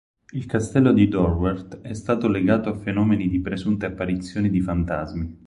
Il castello di Doorwerth è stato legato a fenomeni di presunte apparizioni di fantasmi.